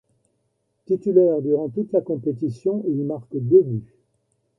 Titulaire durant toute la compétition, il marque deux buts.